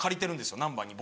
難波に僕。